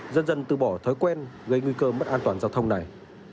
dân dân từ bỏ thói quen gây nguy cơ mất an toàn giao thông này